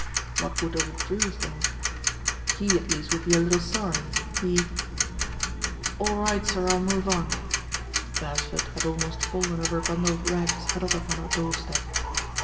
What would old Drew think? He at least would be a little sorry, he "All right, sir. Til move on." Beresford had almost fallen over a bundle of rags huddled upon a doorstep.